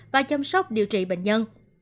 và chăm sóc điều trị bệnh nhân